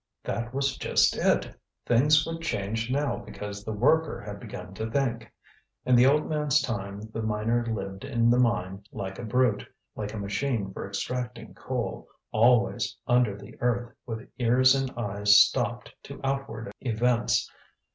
that was just it; things would change now because the worker had begun to think. In the old man's time the miner lived in the mine like a brute, like a machine for extracting coal, always under the earth, with ears and eyes stopped to outward events.